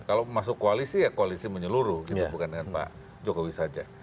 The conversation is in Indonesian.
kalau masuk koalisi ya koalisi menyeluruh gitu bukan dengan pak jokowi saja